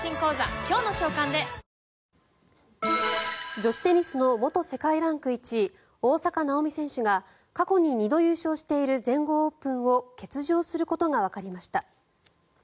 女子テニスの元世界ランク１位大坂なおみ選手が過去に２度優勝している全豪オープンを欠場することがわかりました。